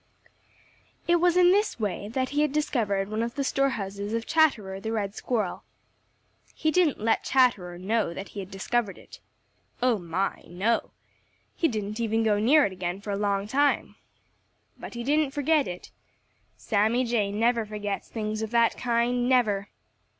It was in this way that he had discovered one of the store houses of Chatterer the Red Squirrel. He didn't let Chatterer know that he had discovered it. Oh, my, no! He didn't even go near it again for a long time. But he didn't forget it. Sammy Jay never forgets things of that kind, never!